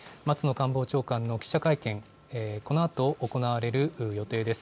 官房長官の記者会見、このあと行われる予定です。